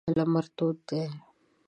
لمر تود دی.